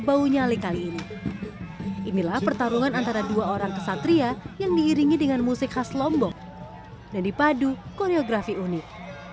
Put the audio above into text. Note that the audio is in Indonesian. dan ini adalah pertarungan antara dua orang kesatria yang diiringi dengan musik khas lombok dan dipadu koreografi unik